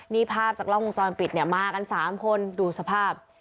นี่ภาพจากรองจอมปิดมากัน๓คนดูสภาพ